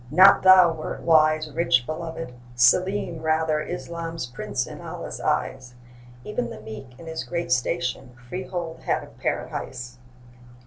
not thou wert wise, Rich, belovèd; Selim, rather, 'Islam's prince in Allah's eyes! Even the meek, in his great station, Freehold had of Paradise.